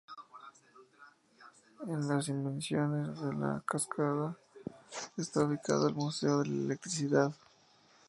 En las inmediaciones de la cascada está ubicado el Museo de la Electricidad.